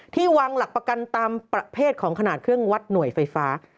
วางหลักประกันตามประเภทของขนาดเครื่องวัดหน่วยไฟฟ้า